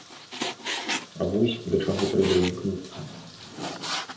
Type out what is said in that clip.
Вось да чаго трэба імкнуцца.